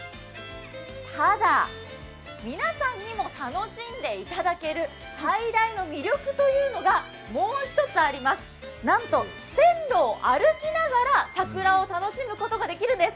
ただ、皆さんにも楽しんでいただける最大の魅力というのがもう一つあります、なんと線路を歩きながら桜を楽しむことができるんです。